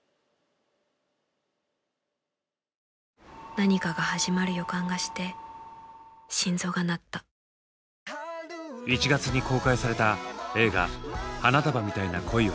何かが始まる予感がして心臓が鳴った１月に公開された映画「花束みたいな恋をした」。